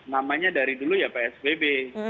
namanya dari dulu ya psbb